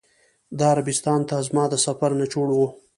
دا عربستان ته زما د سفر نچوړ و.